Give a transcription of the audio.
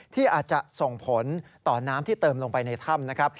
ที่อาจจะส่งผลต่อน้ำที่เติมลงไปในถ้ำนะครับ